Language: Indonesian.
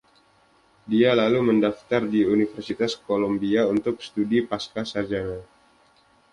Dia lalu mendaftar di Universitas Kolumbia untuk studi pascasarjana.